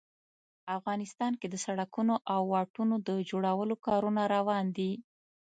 افغانستان کې د سړکونو او واټونو د جوړولو کارونه روان دي